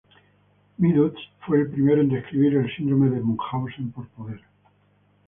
Meadows fue el primero en describir el Síndrome de Munchausen por poder.